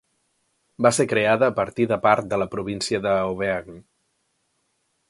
Va ser creada a partir de part de la província de Auvergne.